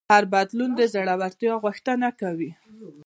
هر بدلون د زړهورتیا غوښتنه کوي.